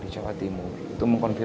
saya tetap berdoa